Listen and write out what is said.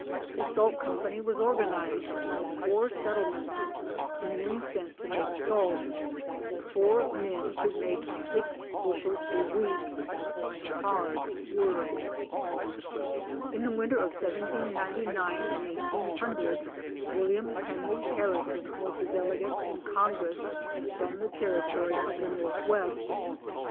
A salt company was organized by four settlements, and men sent to make salt — four men could make six bushels a week by hard work. In the winter of 1799 and 1800, Wm. Henry Harrison was the delegate in Congress from the Territory of the Northwest.